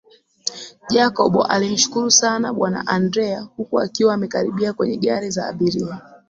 Jacob alimshukuru sana bwana Andrea huku akiwa amekaribia kwenye gari za abiria